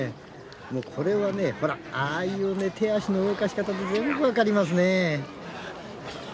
それはねああいう手足の動かし方で全部、分かりますよね。